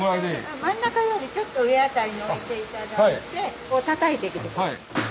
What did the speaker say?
真ん中よりちょっと上辺りに置いていただいてたたいてきてください。